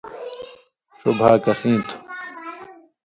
ݜُو بھا کسِیں تُھو؟